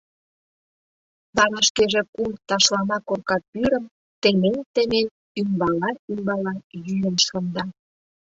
Вара шкеже кум ташлама корка пӱрым, темен-темен, ӱмбала-ӱмбала йӱын шында.